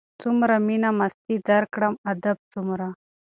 څومره مينه مستي درکړم ادب څومره